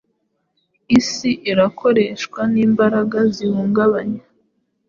Isi irakoreshwa n’imbaraga zihungabanya